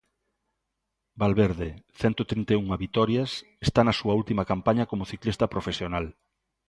Valverde, centro trinta e unha vitorias, está na súa última campaña como ciclista profesional.